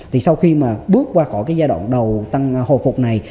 thì sau khi mà bước qua khỏi cái giai đoạn đầu tăng hồi phục này